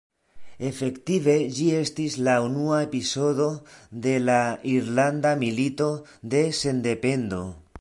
Efektive ĝi estis la unua epizodo de la Irlanda Milito de Sendependo.